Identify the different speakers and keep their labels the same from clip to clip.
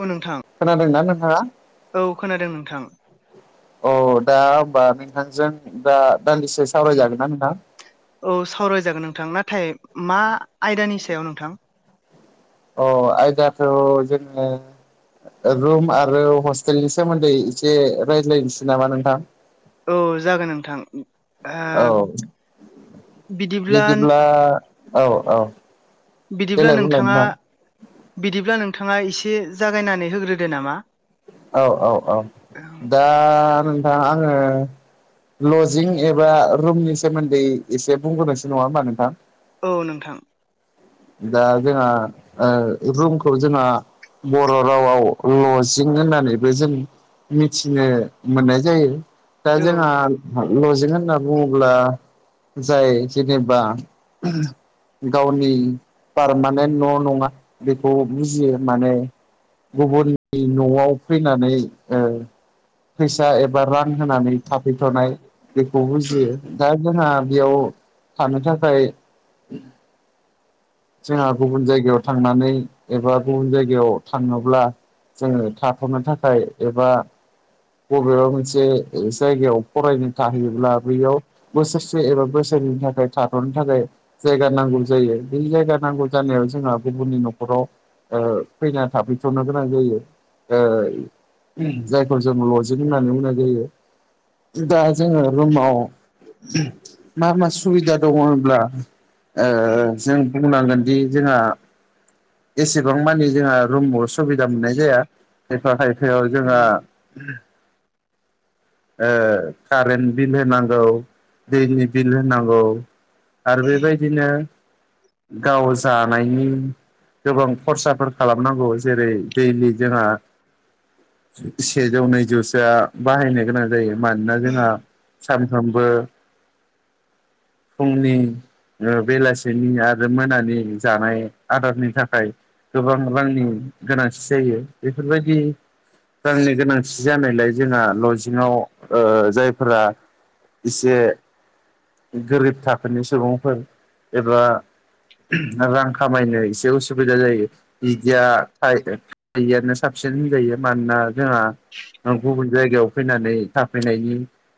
Speaker 1: औ नोंथां
Speaker 2: खोनादोंना नोंथाङा?
Speaker 1: औ खोनादों नोंथां।
Speaker 2: औ दा होमबा नोंथांजों दा दान्दिसे सावरायजागोन ना नोंथां?
Speaker 1: औ सावराय जागोन नोंथां। नाथाय मा आयदानि सायाव नोंथां?
Speaker 2: अ आयदाथ' जोनो रुम आरो हस्टेलनि सोमोन्दै एसे रायज्लायनोसै नामा नोंथां?
Speaker 1: औ जागोन नोंथां।
Speaker 2: औ
Speaker 1: ओ
Speaker 2: बिदिब्ला औ औ
Speaker 1: बिदिब्ला
Speaker 2: देलाय बुंलाय
Speaker 1: नोंथाङा
Speaker 2: नोंथां
Speaker 1: बिदिब्ला नों नोंथाङा एसे जागायनानै होग्रोदो नामा?
Speaker 2: औ औ औ दा नोंथां आङो लजिं एबा रुमनि सोमोन्दै एसे बुंग्रोनोसो नङा होमबा नोंथां?
Speaker 1: औ नोंथां
Speaker 2: दा जोंना रुमखौ जोंआ बर' रावआव लजिं होननानैबो जों मिथिनो मोननाय जायो दा
Speaker 1: औ
Speaker 2: जोंहा। लजिं होनना बुङोब्ला जाय जेनेबा गावनि पारमानेन्ट न' नङा बेखौ बुजियो माने गुबुननि न'आव फैनानै फैसा एबा रान होनानै थाफैथ'नाय बेखौ बुजियो दा जोंहा बेयाव थानो थाखाय जोंहा गुबुन जायगायाव थांनानै एबा गुबुन जायगायाव थाङोब्ला जोङो थाथ'नो थाखाय एबा बबेबा मोनसे जायगायाव फरायनो थाहैब्ला बैयाव बोसोरसे एबा बोसोर सोनि थाखाय थाथ'नो थाखाय जायगा नांगौ जायो बे जायगा नांगौ जानायाव जोंहा गुबुननि न'खराव फैना थाफैथ'नो गोनां जायो जायखौ जों लजिं होननानै बुंनाय जायो दा जोङो रुमाव मा मा सुबिदा दङ होनब्ला जों बुंनांगोनदि जोंहा एसेबां मानि जोंहा रुमाव सुबिदा मोननाय जाया एफा खायफा जोंहा कारेन्ट बिल होनांगौ दैनि बिल होनांगौ आरो बेबायदिनो गाव जानायनि गोबां खरसाफोर खालामनांगौ जेरै दैलि जोंहा सेजौ नैजौसोआ बाहायनो गोनां जायो मानोना जोंहा साम बो फुंनि बेलासिनि आरो आरो मोनानि जानाय आदारनि थाखाय गोबां रांनि गोनांथि जायो बेफोरबायदि रांनि गोनांथि जानायलाय जोंहा लजिङाव जायफोरा इसे गोरिब थाखोनि सुबुंफोर एबा रां खामायनो एसे उसुबिदा जायो बिदिया थायैआनो साबसिन होनजायो मानोना जोंहा आं गुबुन जायगायाव फैनानै थाफैनायनि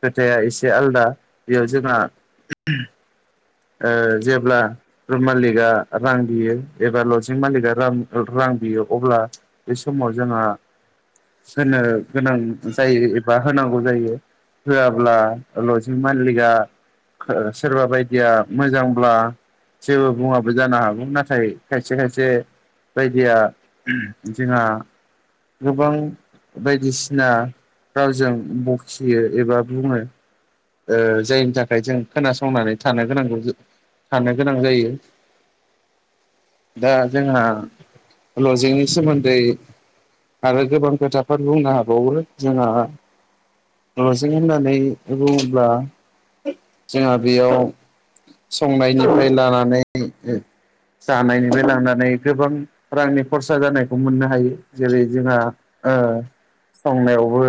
Speaker 2: खोथाया एसे आलदा बेयाव जोंना जेब्ला रुम मालिकआ रां बियो एबा लजिं मालिकआां रां बियो अब्ला बे समाव जोंहा होनो गोनां जायो एबा होनांगौ जायो होआब्ला लजिं मालिकआ सोरबा बायदिया मोजांब्ला जेबो बुङाबो जानो हागौ नाथाय खायसे खायसे बायदिया जोंहा गोबां बायदिसिना रावजों बखियो एबा बुङो जायनि थाखाय जों खोनासंनानै थानो गोनां थानो गोनां जायो दा जोंहा लजिंनि सोमोन्दै आरो गोबां खोथाफोर बुंनो हाबावो जोंहा न'जों होननानै बुङोब्ला जोंहा बेयाव संनायनिफ्राय लानानै जानायनिफ्राय लांनानै गोबां रांनि खरसा जानायखौ मोननो हायो जेरै जोंहा संनायावबो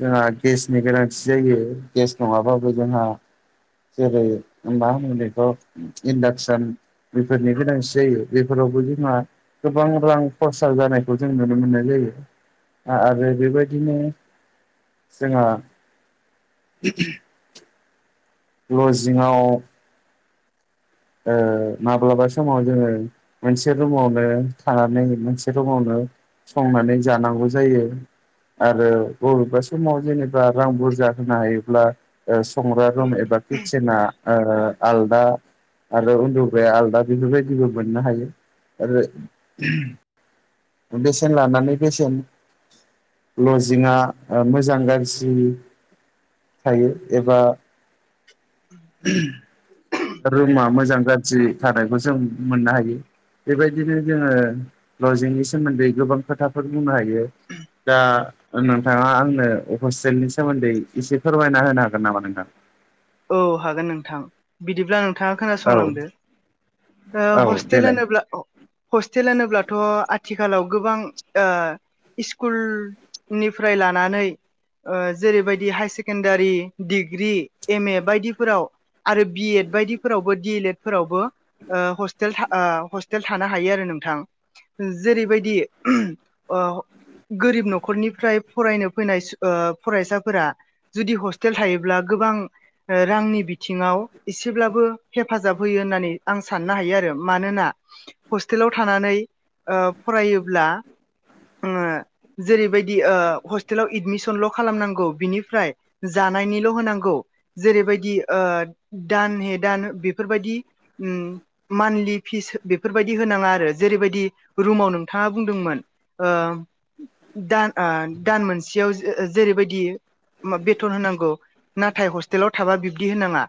Speaker 2: जोंहा गेसनि गोनांथि जायो गेस नङाबाबो जोंहा जेरै मा होन बेथ' इन्डाक्सन बेफोरनि गोनांथि जायो बेफोराव बो जोंहा गोबां रां खरसा जानायखौ जों नुनो मोननाय जायो आरो बेबायदिनो जोंहा लजिंआव माब्लाबा समाव जोङो मोनसे रुमावनो थानानै मोनसे रुमावनो संनानै जानांगौ जायो आरो बबेबा समाव जेनेबा रां बुरजा होनो हायोब्ला संग्रा रुम एबा किटसेना आलदा आरो उन्दगाराया आलदा बेफोरबायदिबो मोननो हायो आरो बेसेन लानानै बेसेन लजिंआ मोजां गाज्रि थायो एबा रुमा मोजां गाज्रि थानायखौ जों मोननो हायो बेबायदिनो जोङो लजिंनि सोमोन्दै गोबां खोथाफोर बुंनो हायो दा नोंथाङा आंनो हस्टेलनि सोमोन्दै एसे फोरमायना होनो हागोन नामा नोंथां
Speaker 1: औ हागोन नोंथां बिदिब्ला नोंथाङा
Speaker 2: औ
Speaker 1: खोनासंलांदो
Speaker 2: औ
Speaker 1: हस्टेल
Speaker 2: देलाय
Speaker 1: होनोब्ला हस्टेल होनोब्लाथ' आथिखालाव गोबां स्कुल निफ्राय लानानै जेरैबायदि higher secondary degree M A बायदिफोराव आरो बि एड बायदिफोरावबो डि एल एड फोरावबो हस्टेल हस्टेल थानो हायो आरो नोंथां जेरैबायदि गोरिब न'खरनिफ्राय फरायनो फैनाय फरायसाफोरा जुदि हस्टेल थायोब्ला गोबां रांनि बिथिङाव एसेब्लाबो हेफाजाब होयो होननानै आं साननो हायो आरो मानोना हस्टेलाव थानानै फरायोब्ला जेरैबायदि हस्टेलाव एडमिसनल' खालामनांगौ बिनिफ्राय जा निल' होनांगौ जेरैबायदि ओ दान हे दान बेफोरबायदि उम मान्थलि फिस बेफोरबायदि होनाङा आरो जेरैबायदि रुमाव नोंथाङा बुंदोंमोन ओ दान दान मोनसेयाव जेरैबायदि बेथन होनांगौ नाथाय हस्टेलाव थाबा बिब्दि होनाङा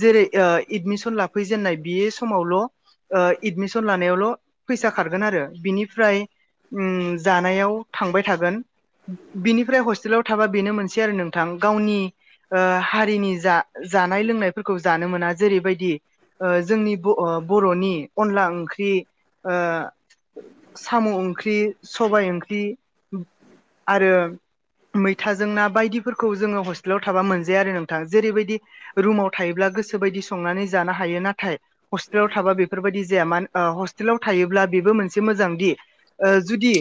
Speaker 1: जेरै एदमिसन ला फैजेननाय बे समावल' ओ एदमिसन लानायावल' फैसा खारगोन आरो बिनिफ्राय ओम जानायाव थांबाय थागोन बिनिफ्राय हस्टेलाव थाबा बेनो मोनसे आरो नोंथां गावनि ओ हारिनि जा जानाय लोंनायफोरखौ जानो मोना जेरैबायदि ओ जोंनि बर'नि अनला ओंख्रि ओ साम'ओंख्रि सबाय ओंख्रि आरो मैथाजों ना बायदिफोरखौ जोङो हस्टेलाव थाबा मोनजाया आरो नोंथाङा जेरैबायदि रुमाव थायोब्ला गोसो बायदि संनानै जानो हायो ना नाथाय हस्टेलाव थाबा बेफोरबायदि जाया म हस्टेलाव थायोब्ला बेबो मोनसे मोजां दि ओ जुदि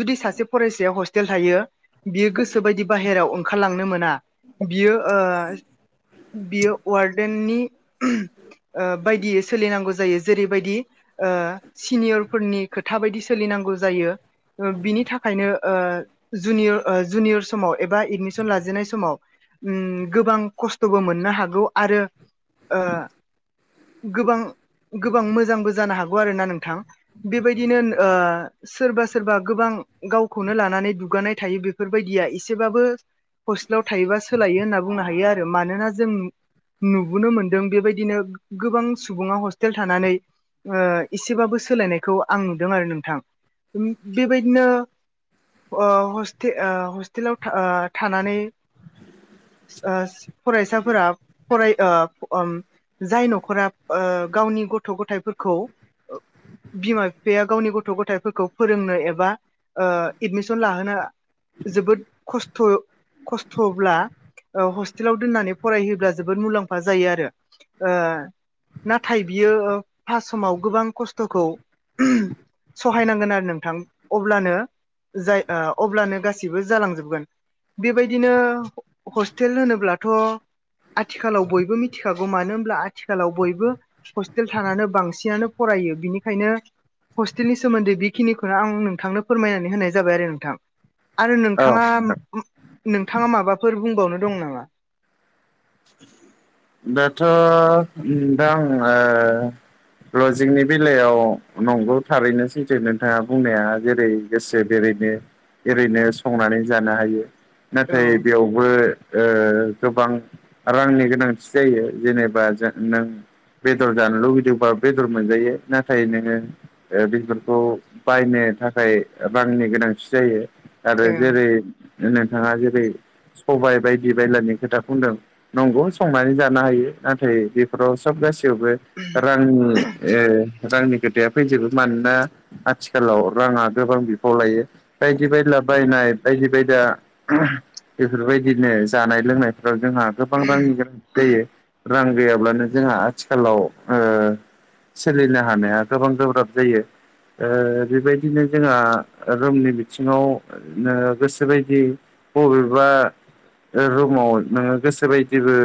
Speaker 1: जुदि सासे फरायसायाव हस्टेल थायो बियो गोसो बायदि बाहेरायाव ओंखारलांनो मोना बियो ओ बियो वार्डेननि
Speaker 2: [inaudible]
Speaker 1: ओ बायदियै सोलिनांगौ जायो ओ जेरैबायदि सिनियरफोरनि खोथा बायदि सोलिनांगौ नांगौ जायो बिनि थाखायनो ओ जुनिर जुनियर समाव एबा एडमिसन लाजेननाय समाव ओम गोबां खस्थ'बो मोननो हागौ आरो ओ गोबां गोबां मोजांबो जानो हागौ आरोना नोंथां बेबायदिनो सोरबा सोरबा गोबां गावखौनो लानानै दुगानाय थायो बेफोरबायदिया एसेबाबो हस्टेलाव थायोबा सोलायो होनना बुंनो हायो आरो मानोना जों नुबोनो मोन दों बेबायदिनो गोबां सुबुङा हस्टेल थानानै ओ एसेबाबो सोलायनायखौ आं नुदों आरो नोंथां बेबायदिनो ओ हटेल हस्टेलाव थानानै ओ फरायसाफोरा फराय जाय ओ न'खरा गावनि गथ' गथाइफोरखौ बिमा बिफाया गावनि गथ' गथायफोरखौ फोरोंनो एबा ओ एडमिसन लाहोनो जोबोद खस्थ' खस्थ'ब्ला ओ हस्टेलाव दोननानै फरायहयोब्ला जोबोद मुलाम्फा जायो आरो ओ नाथाय बियो पास समाव गोबां खस्थ'खौ सहायनांगोन आरो नोंथां अब्लानो जा अब्लानो गासिबो जालांजोबगोन बेबायदिनो हस्टेल होनोब्लाथ' आथिखालाव बयबो बो मिथिखागौ मानो होनब्ला आथिखालाव बयबो हस्टेल थानानै बांसिनानो फरायो बिनिखायनो हस्टेलनि सोमोन्दै बेखिनिखौनो आं नोंथांनो फोरमायनानै होनाय जाबाय आरो नोंथां आरो
Speaker 2: औ
Speaker 1: नोंथाङा
Speaker 2: नोंथां।
Speaker 1: नोंथाङा माबाफोर बुंबावनो दं नामा?
Speaker 2: दाथ' दा आं लजिंनि बेलायाव नंगौ थारैनो सैथो नोंथाङा बुंनाया जेरै गोसो बेरै ओ ओरैनो संनानै जानो हायो
Speaker 1: औ
Speaker 2: नाथाय बेयावबो ओ गोबां रांनि गोनांथि जायो जेनेबा जों नों बेदर जानो लुुबैदोंबा बेदर मोनजायो नाथाय नोङो बेदरखौ बायनो थाखाय रांनि गोनांथि जायो आरो
Speaker 1: ओं
Speaker 2: जेरै नोंथाङा जेरै सबाइ बायदि बायलानि खोथा बुंदों नंगौ संनानै जानो हायो नाथाय बेफोराव सब गाैयावबो रांनि रांनि खोथाया फैजोबो मानोना आथिखालाव राङा गोबां बिफाव लायो बायदि बायदि बायनाय बायदि बायदाया बेफोरबायदिनो जानाय लोंनायफोराव जोंहा गोबां रांनि गोनांथि जायो रां गैयाब्लानो जोंहा आथिखालाव ओ सोलिनो हानाया गोबां गोब्राब जायो। ओ बेबायदिनो जोंहा रुमनि बिथिङाव गोसो बायदि बबेबा रुमाव नोङो गोसो बायदिबो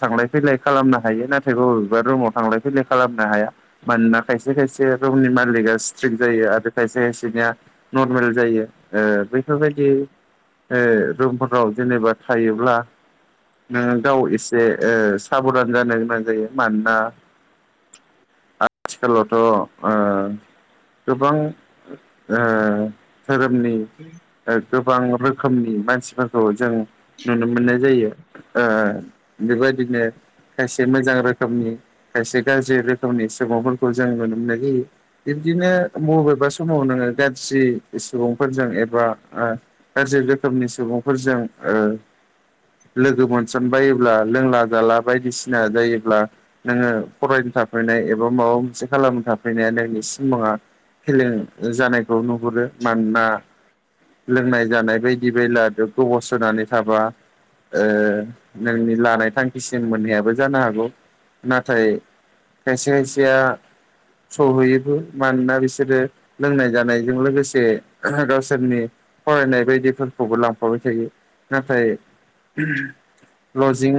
Speaker 2: थांलाय फैलाय खालामनो हायो नाथाय बबेबा रुमाव थांलाय फैलाय खालामनो हाया मानोना खायसे खाय से रुमनि मालि सिट्रिक जायो आरो खायसे खायसेनिया नरमेल जायो ओ बेफोर बायदि रुमफोराव जेनेबा थायोब्ला नोङो गाव एसे साबधान जानो गोनां जायो मानोना आथिखालावथ' ओ गोबां धोरोमनि गोबां रो खोमनि मानसिफोरखौ जों नुनो मोननाय जायो। ओ बेबायदिनो खायसे मोजां रोखोमनि खायसे गाज्रि रोखोमनि सुबुंफोरखौ जों नुनो मोन्नाय जायो। बिदिनो बबेबा समाव नोङो गाज्रि सुबुंफोरजों एबा गाज्रि रो खोमनि सुबुंफोरजों ओ लोगो मोनसन बायोब्ला लोंला जाला बायदिसिना जायोब्ला नोङो फरायनो थाफैनाय एबा माबा मोनसे खालामनो थाफैनाया नोंनि सिमाङा फेलें जानायखौ नुहुरो मानोना लोंनाय जानाय बायदि बायला दुग गोब सोनानै थाबा नोंनि लानाय थांखिसिम मोननायाबो जानो हागौ नाथाय खायसे खायसेया सहैयोबो मानोना बिसोरो लोंनाय जानायजों लोगोसे गावसोरनि फरायनाय बायदिफोरखौबो लांफाबाय थायो नाथाय लजिं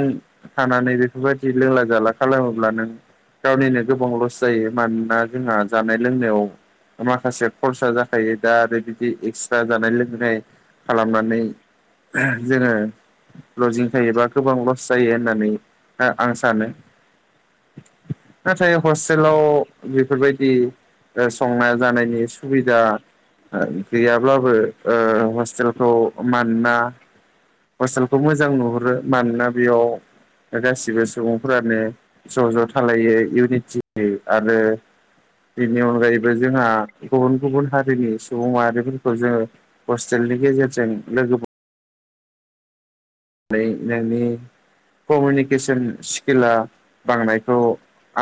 Speaker 2: थानानै बेफोरबायदि लोंला जाला खालामोब्ला नों गावनिनो गोबां लस जायो मानोना जोंहा जानाय लोंनायाव माखासे खरसा जाखायो दा आरो बिदि एक्सट्रा जानाय लोंनाय खालामनानै जोङो लजिं थायोबा गोबां लस जायो होननानै आं सानो नाथाय हस्टेलाव बेफोरबायदि संना जानायनि सुबिदा गैयाब्लाबो हस्टेलखौ मोनाना हस्टेलखौ मोजां नुहुरो मानोना बेयाव गासिबो सुबुंफोरानो ज' ज' थालायो इउनिटि होयो आरो बेनि अनगायैबो जोंहा गुबुन गुबुन हारिनि सुबुं माहारिफोरखौ जोङो हस्टेल नि गेजेरजों लोगोफोर थायैनानै कमिउनिकेसन स्किला बांनायखौ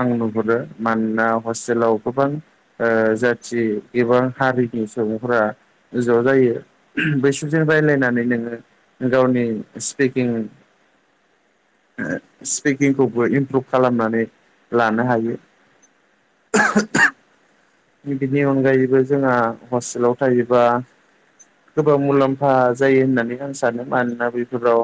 Speaker 2: आं नुहुरो मानोना हस टेलाव ओनसोलाव गोबां जाथि एबा हारिनि सुबुंफोरा ज' जायो। बैसिजों रायलायनानै नोङो गावनि स्पिकिं स्पिकिंखौबो इमप्रुभ खालामनानै लानो हायो। बिनि अनगायैबो जोंहा हस्टेलाव थायोबा गोबां मुलाम्फा जायो होननानै आं सानो मानोना बेफोराव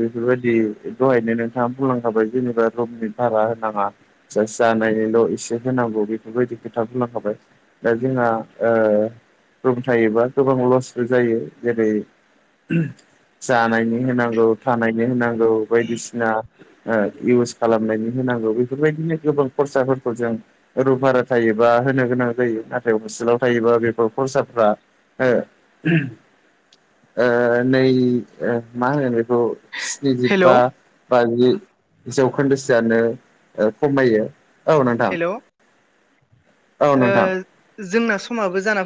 Speaker 2: बेफोरबायदि दहायनो नोंथाङा बुंलांखाबाय जेनेबा रुमनि भारा होनाङा जानायनिल' एसे होनांगौ बेफोरबायदि खोथा बुंनोांखाबाय दा जोंहा रुम थायोबा गोबां लसबो जायो जेरै जानायनि होनांगौ थानायनि होनांगौ बायदिसिना इउस खालामनायनि होनांगौ बेफोरबायदिनो गोबां खरसाफोरखौ जों रुम भारा थायोबा होनो गोनां जायो नाथाय हस्टेलाव थायोबा बेफोर फ्रसारफ्रा ओ ओ नै मा होनो बेखौ
Speaker 1: हेल'
Speaker 2: स्निजिबा बाजि जौखोन्दोसोआनो ओ खमायो औ नोंथां
Speaker 1: हेल' ओ
Speaker 2: औ नोंथां
Speaker 1: जोंना समाबो जाना